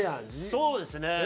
そうですね。